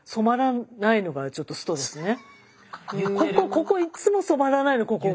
ここいっつも染まらないのここが。